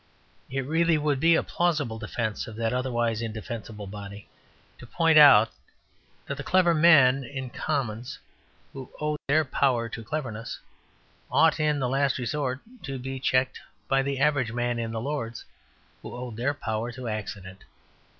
It really would be a plausible defence of that otherwise indefensible body to point out that the clever men in the Commons, who owed their power to cleverness, ought in the last resort to be checked by the average man in the Lords, who owed their power to accident.